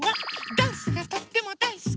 「ダンスがとってもだいすきよ」